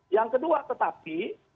yang kedua tetapi